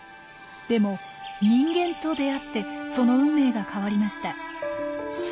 でも人間と出会ってその運命が変わりました。